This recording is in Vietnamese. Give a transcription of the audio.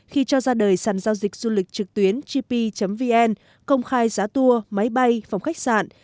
khi cho ra đời sản giao dịch du lịch trực tuyến gp vn công khai giá tour máy bay phòng khách sạn